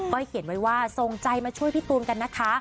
เขียนไว้ว่าส่งใจมาช่วยพี่ตูนกันนะคะ